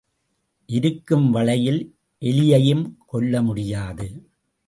இருக்கும் வளையில் எலியையும் கொல்ல முடியாது.